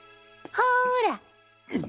ほら。